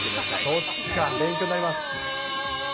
そっちか、勉強になります。